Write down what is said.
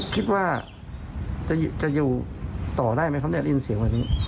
คิดว่าจะอยู่ต่อได้ไหมครับเนี่ยได้ยินเสียงวันนี้